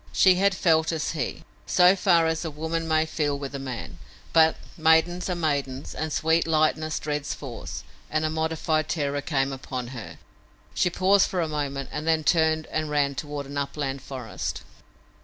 She had felt as he; so far as a woman may feel with a man; but maidens are maidens, and sweet lightness dreads force, and a modified terror came upon her. She paused for a moment, then turned and ran toward the upland forest.